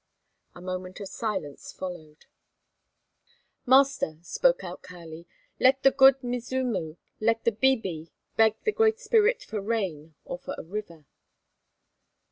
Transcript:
A moment of silence followed. "Master," spoke out Kali, "let the 'Good Mzimu' let the 'bibi' beg the Great Spirit for rain or for a river."